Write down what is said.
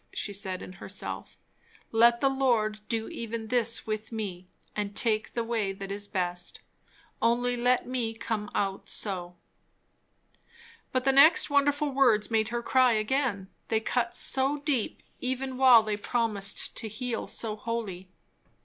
she said in herself. Let the Lord do even this with me, and take the way that is best. Only let me come out so! But the next wonderful words made her cry again. They cut so deep, even while they promised to heal so wholly.